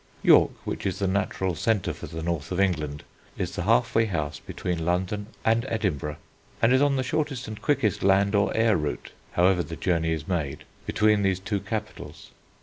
York, which is the natural centre for the North of England, is the halfway house between London and Edinburgh, and is on the shortest and quickest land or air route, however the journey is made, between these two capitals.